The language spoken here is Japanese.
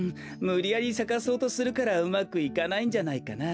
むりやりさかそうとするからうまくいかないんじゃないかな？